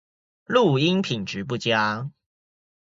錄音品質不佳